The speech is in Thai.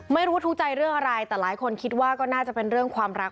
ไม่รู้ทุกข์ใจเรื่องอะไรแต่หลายคนคิดว่าก็น่าจะเป็นเรื่องความรัก